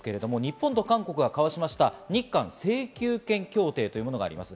日本と韓国が交わした日韓請求権協定というものがあります。